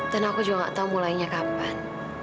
dan aku juga gak tau mulainya kapan